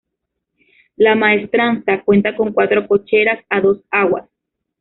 La maestranza cuenta con cuatro cocheras a dos aguas.